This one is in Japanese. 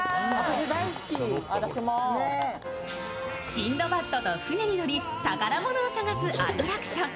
シンドバッドと船に乗り宝物を探すアトラクション。